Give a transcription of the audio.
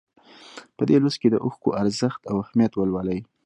په دې لوست کې د اوښکو ارزښت او اهمیت ولولئ.